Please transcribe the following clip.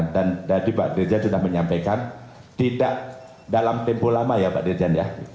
dan tadi pak dirjen sudah menyampaikan tidak dalam tempoh lama ya pak dirjen ya